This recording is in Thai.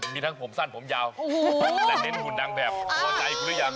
มีทั้งผมสั้นผมยาวแต่เห็นคุณดังแบบพอใจหรือยัง